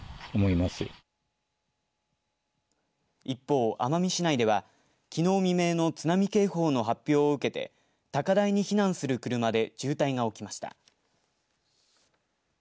一方、奄美市内ではきのう未明の津波警報の発表を受けて高台に避難する車で渋滞が起きました。